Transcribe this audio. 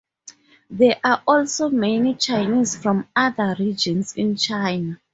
There are also many Chinese from other regions in China.